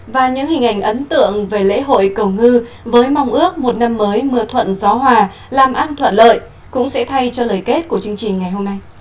và những hình ảnh ấn tượng về lễ hội cầu ngư với mong ước một năm mới mưa thuận gió hòa làm ăn thuận lợi cũng sẽ thay cho lời kết của chương trình ngày hôm nay